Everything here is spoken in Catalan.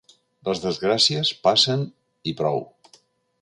Les desgràcies passen i prou.